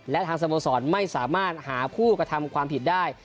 และทางสโมสรไม่สามารถหาผู้กระทำความผิดได้